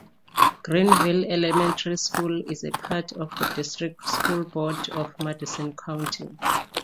Greenville Elementary School is a part of the District School Board of Madison County.